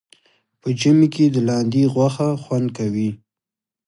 په ژمي کې د لاندي غوښه خوند کوي